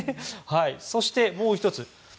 そしてもう１つ。